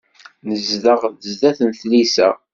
Nezdeɣ sdat tlisa.